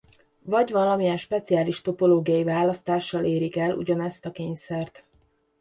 Vagy valamilyen speciális topológiai választással érik el ugyanezt a kényszert.